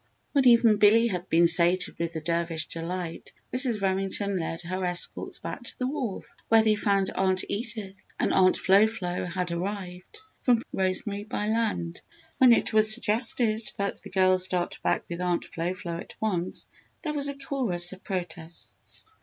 When even Billy had been sated with the dervish delight Mrs. Remington led her escorts back to the wharf where they found Aunt Edith and Aunt Flo Flo had arrived from Rosemary by land. When it was suggested that the girls start back with Aunt Flo Flo at once, there was a chorus of protests.